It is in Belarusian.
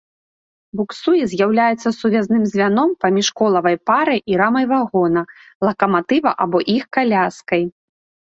Буксуе з'яўляецца сувязным звяном паміж колавай парай і рамай вагона, лакаматыва або іх каляскай.